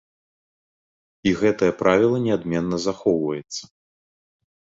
І гэтае правіла неадменна захоўваецца.